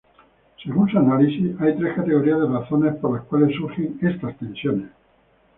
Según su análisis, hay tres categorías de razones por las cuales surgen estas tensiones.